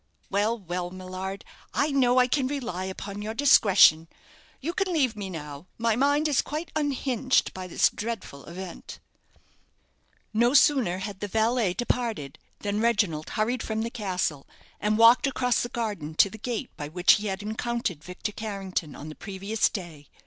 "Well, well, Millard; I know I can rely upon your discretion. You can leave me now my mind is quite unhinged by this dreadful event." No sooner had the valet departed than Reginald hurried from the castle, and walked across the garden to the gate by which he had encountered Victor Carrington on the previous day.